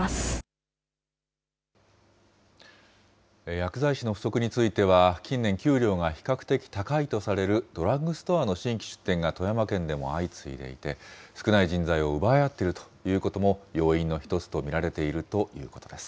薬剤師の不足については、近年、給料が比較的高いとされるドラッグストアの新規出店が富山県でも相次いでいて、少ない人材を奪い合っているということも要因の１つと見られているということです。